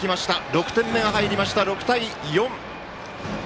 ６点目が入りました、６対４。